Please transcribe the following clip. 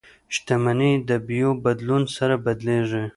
شتمني د بیو بدلون سره بدلیږي.